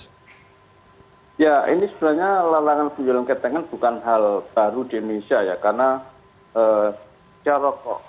ya ini sebenarnya larangan penjualan ketengan bukan hal baru di indonesia ya